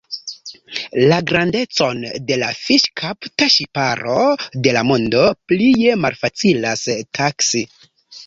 La grandecon de la fiŝkapta ŝiparo de la mondo plie malfacilas taksi.